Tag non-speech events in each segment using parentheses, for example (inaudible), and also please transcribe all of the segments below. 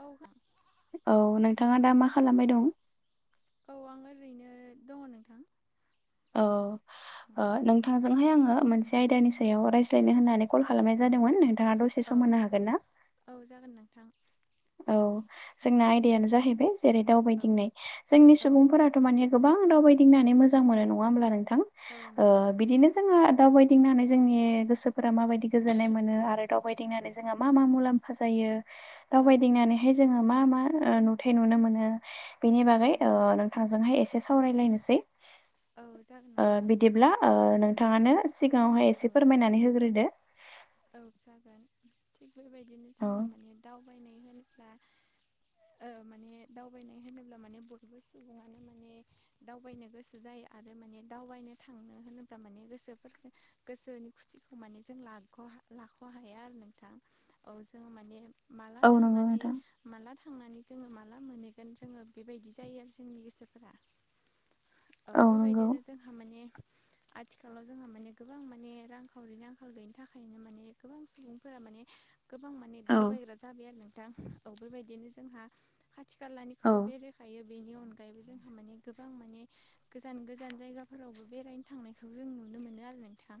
औ (unintelligible) औ नोंथाङा दा मा खालामबाय दं? औ आं ओरैनो दङ नोंथां। औ ओ नोंथांजोंहाय आङो मोनसे बे आयदानि सायाव रायज्लायनो होन्नानै कल खालामनाय जादोंमोन नोंथाङा दसे औ सम होनो हागोन ना? औ जागोन नोंथां। औ जोंना आयदायानो जाहैबाय जेरै औ दावबायदिंनाय जोंनि औ सुबुंफोरा थ' माने गोबां दावबायदिंनानै मोजां मोनो नङा होमब्ला नोंथां औ ओ नंगौ बिदिनो जोंहा दावबायदिंनानै जोंनि गोसोफोरा माबायदि गोजोन्नाय मोनो औ आरो दावबायदिंनानै जोंहा मा मा मुलाम्फा जायो औ दावबायदिंनानै बेहाय जोङो मा मा ओ नुथाइ नुनो मोनो बेनि बागै ओ नोंथांजोंहाय एसे सा सावरायलायनोसै औ जागोन ओ नोंथां ओबिदिब्ला ओ नोंथाङानोओ थाङानो सिगाङावहाय औ एसे फोरमायनानै होग्रोदो। औ जागोन थिग बेबायदिनो औ जोंहा माने दावबायनाय होनोब्ला ओ माने दावबायनाय होनोब्ला माने बयबो सुबुङानो माने दावबायनो गोसो जाया। आरो माने दावबायनो थांनो होनोब्ला माने गोसोफोरखौ गोसोनि खुसिखौ माने जों लाग' लाख' हाया आरो नोंथां औ जों माने माला औ नंगौ थांनानै नोंथां माला थांनानै जोङो माला मोनहैगोन जोङो बेबायदि जायो आरो जोंनि गोसोफोरा। औ बेबायदिनो जोंहा माने आथिखालाव जोंहा माने गोबां माने रांखावरिनि आंखाल गैयिनि थाखायनो माने गोबां सुबुंफोरा माने गोबां माने औ दावबाय्रा जाबाय आरो नोंथां औ बेबायदिनो जोंहा खाथि औ खालानिखौथ' बेराय थायो बेनि अनगायैबो जोंहा माने गोबां माने गोजान गोजान जायगाफोरावबो बेरायनो थांनायखौ जों नुनो मोनो आरो नोंथां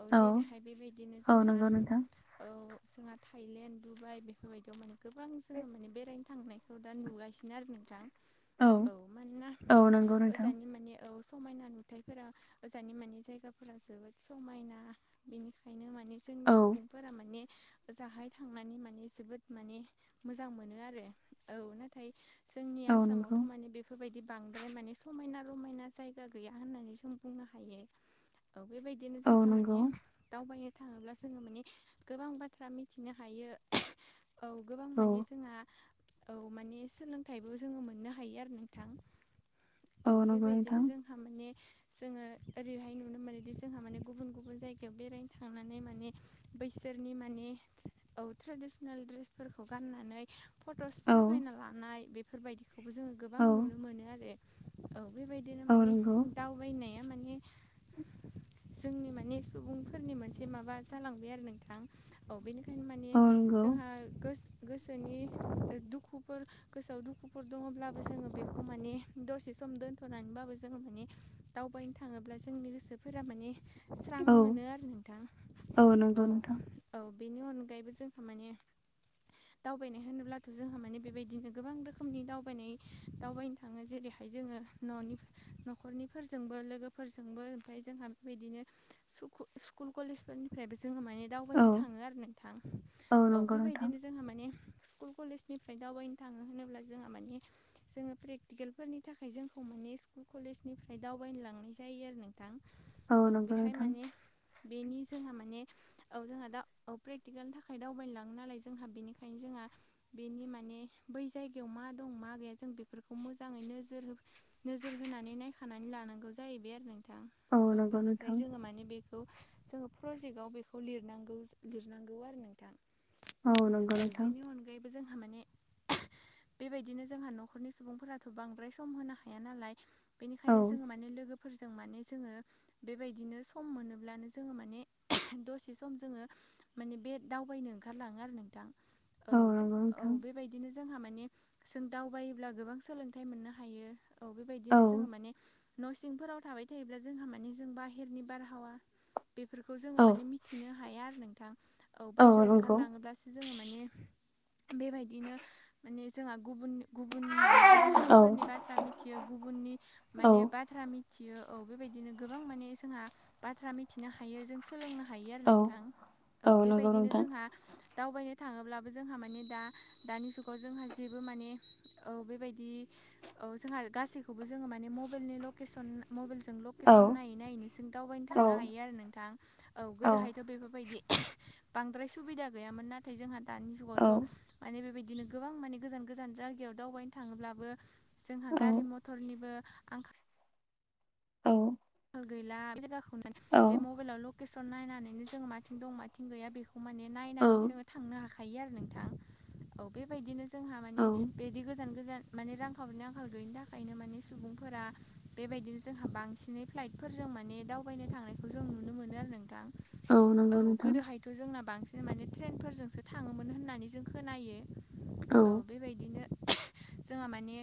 औ जेरैहाय बेबायदिनो औ जोंहा नंगौ नोंथां औ जोंहा थाइलेण्ड डुबाइ बेफोरबायदियाव माने गोबां जोङो माने बेरायनो थांनायखौ दा नुगासिनो आरो नोंथां। औ मानोना औ नंगौ नोंथां ओजानि माने औ समायना नु थाइफोरा ओजानि मानि जायगाफोरा जोबोद समायना बेनिखायनो माने जोंनि औ सुबुंफोरा माने ओजाहाय थांनानै माने जोबोद माने मोजां मोनो आरो औ नाथाय जोंनि औ नंगौ आसामावथ' माने बे बेफोरबायदि बांद्राय माने समायना रमायना जायगा गैया होननानै जों बुंनो हायो। औ बेबायदिनो औ जोंहा नंगौ मानि दावबायनो था थाङोब्ला जोङो माने गोबां बाथ्रा मिथिनो हायो। औ गोबां औ माने जोंहा औ माने सोलोंथाइबो जोङो मोननो हायो आरो नोंथां। औ नंगौ बेबायदिनो नोंथां जों। जोंहा माने जोङो ओरैहाय नुनो मोनोदि जोंहा माने गुबुन गुबुन जायगायाव बेरायनो थांनानै माने बैसोरनि माने औ ट्रेडिसनेल ड्रेसफोरखौ गाननानै फट'स औ साफायना लानाय बे फोरफोरबायदिखौबो जोङो गोबां औ नुनो मोनो आरो औ बेबायदिनो औ माने नंगौ दउ थायनाया माने जोंनि माने सुबुं सोरनि मोनसे माबा जालांबाय आरो नोंथां औ बेनिखायनो माने औ नंगौ जोंहा गोसो गोसोनि दुखुफोर गोसोआव दुखुफोर दङब्लाबो जोङो बेखौ माने दसे सम दोनथ'नानैबाबो जोङो माने दावबायनो थाङोब्ला जोंनि गोसोफोरा माने स्रां औ मोनो आरो नोंथां औ नंगौ नोंथां औ बेनि अनगायैबो जों थारमाने दावबायनाय होनोब्लाथ' जोंहा माने बेबायदिनो गोबां रोखोमनि दावबायनाय दावबाय थाङो जेरैहाय जोङो न'नि न'खरनिफोरजोंबो लोगोफोरजोंबो ओमफ्राय जोंहा बेबायदिनो सुखु स्कुल कलेजफोरनिफ्रायबो जोङो माने औ दावबायनो थाङो आरो नोंथां औ नंगौ नोंथां बेबायदिनो जोंहा माने स्कुल कलेजनिफ्राय दावबायनो थाङो होनोब्ला जोंहा मानिे जोङो प्रेकटिकेल फोरनि थाखाय जोंखौ माने स्कुल कलेजनिफ्राय दावबायनो लांनाय जायो आरो नों थ औ नंगौ बेहाय नोंथां माने बेनि जोंहा माने औ जोंहा दा प्रेक्टिकेलनि थाखाय दावबायनोलाङो नालाय जोंहा बेनिखायनो जोंहा बेनि माने बै जायगायाव मा दं मा गैया जों बेफोरखौ मोजाङै नोजोर हो नोजोर होनानै नायखानानै लानांगौ जायोैबाय आरो नोंथां औ नंगौ नोंथां बेनिफ्राय जोङो माने बेखौ जोङो प्रजेक्टआव बेखौ लिरनांगौ लिरनांगौ आरो नोंथां नंगौ औ नोंथां बेनि अनगायैबो जोंहा माने बेबायदिनो जोंहा न'खरनि सुबुंफोराथ' बांद्राय सम होनो हाया नालाय औ बेनिखायनो जोङो माने लोगोफोरजों माने जोङो बेबायदिनो सम मोनोब्ला जोङो माने दसे सम जोङो माने बे दावबायनो ओंखारलाङो आरो नोंथां औ नंगौ औ नोंथां बेबायदिनो जोंहा माने जों दावबायोब्ला गोबां सोलोंथाइ मोननो हायो औ औ बेबायदिनो जोङो माने न' सिंफोराव थाबाय थायोब्ला जोंहा माने जों बाहहेरनि बारहावा बेफोरखौ जोङो औ माने मिथिनो हाया आरो नोंथां औ बायजोआव ओंखारलाङोब्लासो जोङो माने बेबायदिनो माने जोंहा गुबुन गुबुन मानिे गुबुन औ हादोरफोरनि बा बाथ्रा मिथियो गुबुननि औ माने बाथ्रा मिथियो औ बेबायदिनो गोबां माने जोंहा बाथ्रा मिथिनो हायो जों सोलोंनो हायो आरो औ नोंथां औ नंगौ बेबायदिनो नोंथां जोंहा दावबायनो थाङोब्लाबो जोंहा माने दा दानि जुगाव जोंहा जेबो माने औ बेबायदि औ जोंहा गासैखौबो जोङो माने मबाइलनि लकेसन मबाइलजों ल औ लकेसन नायै नायैनोसों दावबायनो औ थांनो हायो आरो नोंथां औ गोदोहायथ' बेफोरबायदि बांद्राय सुबिदा गैयामोन नाथाय जोंहा दानि औ जुगावथ' माने बेबायदिनो गोबां माने गोजान गोजान जायगायाव दावबायनो थाङोब्लाबो जोंहा औ गारि मथर क्टरनिबो आं औ गैला जायाखौ बे मबाइलाव लकेसन नायनानैनो जों माथिं दं माथिं गैया बे माने नायनानै जोङो थांनो हाखायो आरो नोंथां औ बेबायदिनो जोंहा औ माने बे बि गोजान गोजान माने रांखावरिनि आंखाल गैयिनि थाखायनो माने सुबुंफोरा बेबायदिनो जोंहा बांसिनै फ्लाइटफोरजों माने दावबायनो थांनायखौ जों नुनो मोनो आरो नोंथां औ नंगौ नोंथां गोदोहाय थ' जोंना बांसिन माने ट्रेनफोरजोंसो थाङोमोन होननानै जों खोनायो औ बेबायदिनो जोंहा माने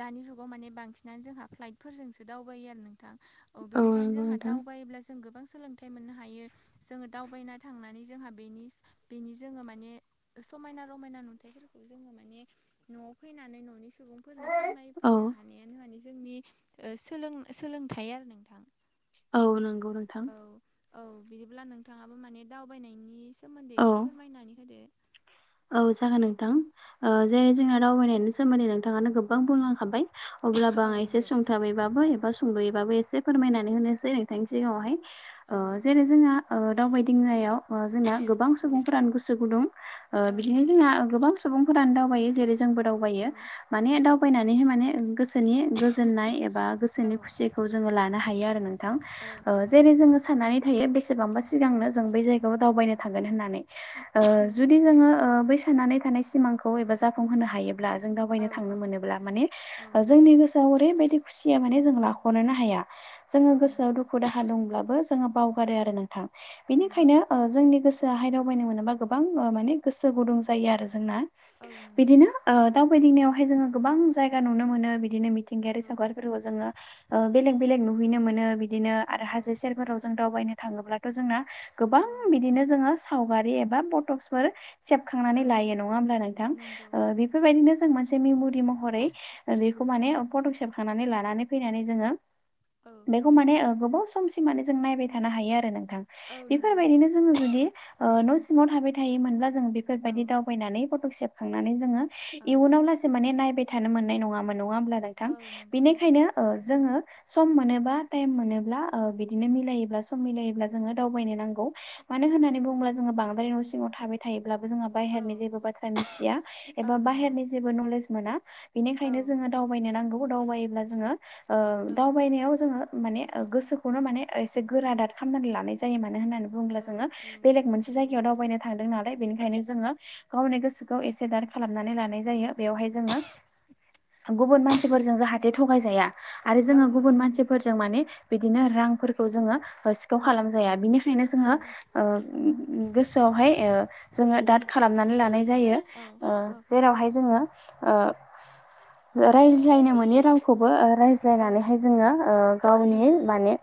दानि जुगाव माने बांसिनानो जोंहा फ्लाइटफोरजोंसो दावबायो आरो नों औ बेनिखायनो नंगौ जोंहा नोंथां दावबायोब्ला जों गो बां सोलोंथाइ मोननो हायो जोङो दावबायनो थांनानै जोंहा बेनि बेनि जोङो माने समायना रमायना नुथाइफोरखौ जोङो माने न'आव फैनानै न'नि सुबुं फोरनो औ फोरमायफैनो हानायानो मानि जोंनि सोलों सोलोंथाइ आरो नोंथां औ नंगौ नोंथां औ औ बिदिब्ला नोंथाङाबो माने दावबायनायनि सोमोन्दै एसे औ फोरमायनानै होदो औ जागोन नोंथां ओ औ जे जोंना दावबायनायनि सोमोन्दै नोंथाङानो गोबां बुंलांखाबाय अब्लाबो औ आं एसे नंगौ संथाबैबाबो एबा संद'यैबाबो एसे फोरमायनानै होनोसै नोंथांनि सिगाङावहाय ओ औ जेरै जोंहा ओ दावबायदिंनायाव जोंना गोबां औ सुबुंफोरानो गोसो गुदुं औ बिदिनो नंगौ जोंना गोबां सुबुंफोरानो दावबायो जेरै जोंबो दावबायो औ माने नंगौ दावबायनानै माने गोसो- -नि गोजोननाय एबा औ गोसोनि खुसिखौ जोङो लानो हायो आरो नोंथां औ ओ नंगौ जेरै जोङो साननानै थायो बेसेबांबा औ सिगांनो जों बे जायगायाव दावबायनो थांगोन होननानै ओ जुदि नंगौ जोङो बै साननानै थानाय सिमांखौ बा जाफुंहोनो हायो जों दावबायनो औ थांनो औ मोनोब्ला माने औ जोंनि गोसो आव ओरैबायदि खुसिया माने जों लाखनोनो हाया जोङो औ गोसोआव नंगौ दुखु दाहा दंब्लाबो जोङो औ बावगारो आरो नोंथां नंगौ बिनिखायनो जोंनि गोसोआहाय दावबायनो मोनोबा गोबां माने गोसो गुदुं जायो आरो जोंना औ नंगौ बिदिनो ओ दावबायदिंनायावहाय जोङो गोबां जायगा नुनो मोनो बिदिनो मिथिंगायारि नंगौ सावगारिफोरखौ जोङो बेलेग बेलेग नुहैनो मोनो बिदिनो आरो नंगौ हाजो सेरफोराव जों दावबायनो थाङोब्लाथ' जोंना गोबां औ बिदिनो जोङो सावगारि एबा फटक्सफोर सेबखांनानै औ लायो नङा होमब्ला नोंथां नंगौ ओ नंगौ नोंथां बेफोरबायदिनो जों मोनसे मेम'रि महरै बेखौ माने फटस सेबखांनानै लानानै फैनानै जोङो औ बेखौ माने गोबाव सम सिम जों नायबाय थानो हायो आरो नोंथां औ नंगौ बेफोरबायदिनो नोंथां जोङो जुदि न' सिङाव थाबाय थायोमोनब्ला जों औ बेफोरबायदि दावबायनानै फट' सेबखांनानै जोङो औ इयुनाव माने नायबाय थानो मोननाय नङामोन नङा होमब्ला नोंथां औ नंगौ नोंथां बेनिखायनो ओ जोङो सम मोनोबा टाइम मोनोब्ला बिदिनो मिलायोब्ला सम मिलायोब्ला जोङो दावबायनो नांगौ मानो होननानै बुङोब्ला जोङो बांद्राय न' सिंआव थाबाय थायोब्लाबो जोंहा औ बाहेरनि जेबो बाथ्रा मिथिया औ एबा नंगौ बाहेरनि जेबो नलेज मोना औ बेनिखायनो जोङो दावबायनो नांगौ दावबायोब्ला जोङो ओ औ दावबायनायाव जोङो माने गोसोखौनो माने एसे गोरादार खालामनानै लानाय जायो मानो होननानै बुंब्ला औ जोङो औ बेलेग मोनसे नंगौ जायगायाव दावबायनो थांदों नालाय बेनिखायनो जोङो गावनि गोसोखौ एसे दार खालामनानै लानाय जायो बेवहाय जोङो गुबुन मानसि फोरजों जाहाथे औ थगायजाया आरो जोङो औ नंगौ गुबुन मानसिफोरजों माने बिदिनो रांफोरखौ जोङो सिखाव औ खालामजाया बिनिखायनो जोङो नंगौ ओ गोसोआवहाय ओ जोङो दाद खालामनानै लानाय जायो औ ओ औ जेरावहाय जोङो ओ रायज्लायनो मोनि रावखौबो औ बुजायनानैहाय जोङो गावनि नंगौ माने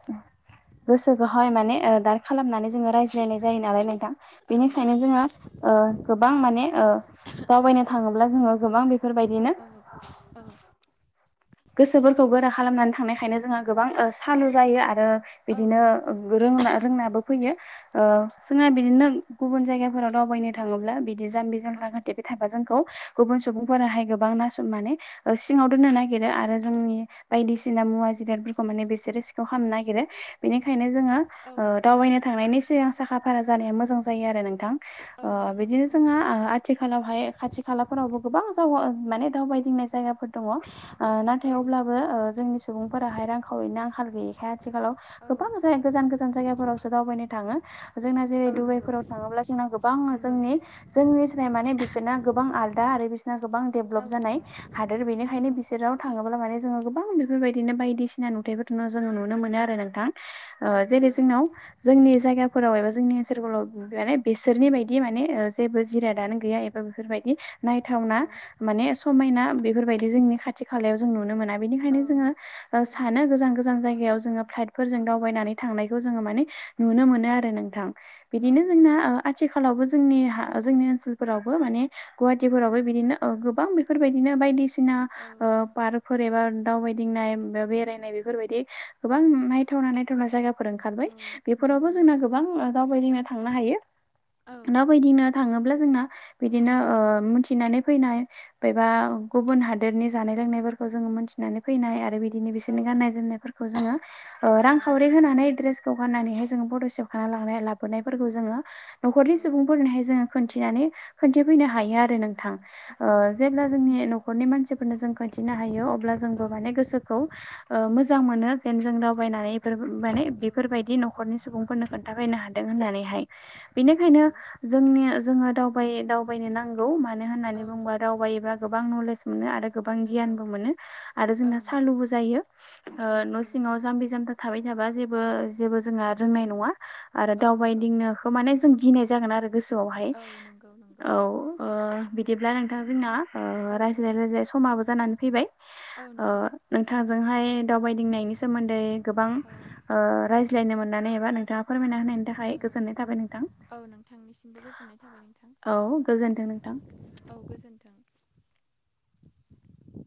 गोसोखौहाय औ माने दार खालामनानै जोङो रायज्लायनाय जायो नालाय नोंथां औ जोहा ओ गोबां माने ओ दावबायनो थाङोब्ला जोङो गोबां बेफोरबायदिनो औ औ गोसोफोरखौ गोरा खालामनानै थांनायखायनो जोंङो गोबां सालु जायो आरो औ बिदिनो नंगौ रोंनायाबो फैयो ओ जोंहा बिदिनो गुबुन जायगाफोराव दावबायनो थाङोब्ला बिदि जाम्बि औ जामबा जाहाथे थायोब्ला जोंखौ गुबुन सुबुंफोराहाय गोबां नासय माने सिङाव दोननो ना- -गिरो आरो जोंनि बायदिसिना मुवा जिरादफोरखौ माने बिसोरो सिखाव खालामनो नागिरो बेनिखायनो जोङो औ ओ नंगौ दावबायनो थांनायनि सिगां साखा फारा जानाया मोजां जायो आरो नोंथां औ ओ नंगौ बिदिनो नोंथां जोंहा नंगौ आथिखालावहाय खाथि खालाफोरावबो गोबां जाव माने दावबायदिंनाय जायगाफोर दङ' नाथाय औ अब्लाबो जोंनि सुबुंफोराहाय रांखावरिनि आंखाल गैयैखाय आथिखालाव औ गोबां जाय गोजान गोजान जायगाफोरावसो दावबायनो थाङो जोंना जेरै औ नंगौ दडुबाइफोराव थाङोब्ला जोंना गोबां नंगौ जोंनि जोंनिस्राय माने बिसोरना गोबां आलदा आरो बिसोरना गोबां देभालप औ जानाय नंगौ हादोर बेनिखायनो नंगौ बिसोर बिाव थाङोब्ला माने जोङो गोबां बेफोरबायदिनो बायदिसिना नुथायाइफोरखौनो जोङो नुनो मोनो आरो नोंथां औ ओ जेरै नंगौ जोंनाव जोंनि जायगाफोराव एबा जोंनि ओनसोलफोराव माने बेसोरनि बायदि माने ओ जेबो जिरा दानो गैया एबा बेफोरबायदि नायथावना औ माने समायना बेफोरबायदि जोंनि खाथि खालायाव जों नुनो मोना औ बेनिखायनो जोङो ओसानो नंगौ गोजान गो जान जायगायाव जों फ्लाइथफोरजों दावबायनानै थांनायखौ जो मानि नुनो मोनो आरो नोंथां। औ बिदिनो जोंना नंगौ आ आथिखालावबो जोंनि हा जोंनि ओनसोलफोरावबो माने गुवाहाटिफोरावबो बिदिनो अ गोबां बेफोरबायदिनो बायदिसिना औ ओ पार्कफोर एबा दावबायदिनाय बा बेरायनाय बेफोरबायदि गोबां नायथावना नायथावना जायगा फोर ओंखारबाय औ नंगौ बेफोरावबो जोंना ओ नोंथां गोबां दावबायदिंनो थांनो हायो औ दावबायदिनो थाङोब्ला जोंना बिदिनो ओ मिथिनानै फैनाय एबा गुब हादोरनि जानाय लोंनायफोरखौ जों मोनथिनानै फैनाय आरो बिदिनो औ बिसोरनि गाननाय जोमनायफोरखौ जोङो ओ औ रां खावरि दे होनानै द्रेसखौ गाननानैहाय जों फथ' औ सेबखांनानै लानो लाबोनायफोरखौ जोङो न'खरनि सुबुंफोरनिहाय जोङो खोनथिनानै खोनथिफैनो हायो आरो नोंथां। ओ नंगौ जेब्ला जोंनि न'खरनि मानसिफोरनो जों खोनथिनो हायो अब्ला जोंबो औ माने गोसोखौ ओ मोजां मोनो जेन जों दावबायनानै बेफोर माने औ बेफोरबायदि न'खरनि सुबुंफोरनो खोन थाफैनो हादों होननानैहाय। औ बेनिखायनो जोंनि जोङो दाव दावबायनो नांगौ मा नो होननानै औ बुंङोबा नंगौ दावबायोब्ला गोबां नलेज मोनो आरो गोबां नंगौ गियानबो मोनो आरो औ जोङो नंगौ सालुबो जायो ओ औ न' नंगौ सिङाव नोंथां जाम बि जामथा थाबाय थाबा जेबो जेबो जोंहा औ रोंनाय नङा आरो औ नंगौ दावबायदिंनो माने जों गिनाय जागोन आरो गोसोयावहाय औ नंगौ नंगौ औ। ओ बिदिब्ला नोंथां जोंना ओ औ रायज्लाय रायज्लायै समाबो जानानै फैबाय। औ ओ नंगौ नोंथांजोंहाय दावबायदिंनायनि सोमोन्दै गोबां औ ओ रायज्लायनो मोननानै एबा नोंथाङा फोरमायना होनायनि थाखाय ओ गोजोन्नाय थाबाय नों औ नोंथांनिसिमबो गोजोननाय थाबाय नोंथां औ गोजोन्थों नोंथां औ गोजोन्थों।